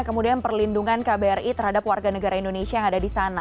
kemudian perlindungan kbri terhadap warga negara indonesia yang ada di sana